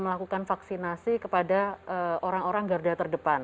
melakukan vaksinasi kepada orang orang garda terdepan